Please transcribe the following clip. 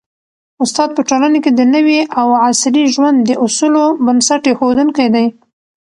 استاد په ټولنه کي د نوي او عصري ژوند د اصولو بنسټ ایښودونکی دی.